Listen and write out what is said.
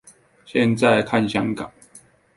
現在看香港